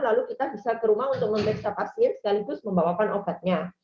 lalu kita bisa ke rumah untuk memeriksa pasir sekaligus membawakan obatnya